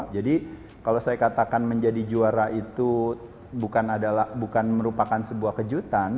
jadi kalau saya katakan menjadi juara itu bukan merupakan sebuah kejutan